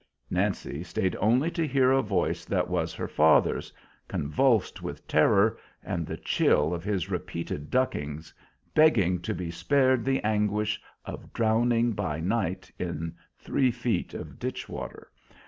Nancy stayed only to hear a voice that was her father's, convulsed with terror and the chill of his repeated duckings, begging to be spared the anguish of drowning by night in three feet of ditch water.